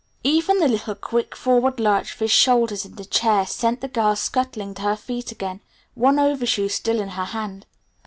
Even the little quick, forward lurch of his shoulders in the chair sent the girl scuttling to her feet again, one overshoe still in her hand.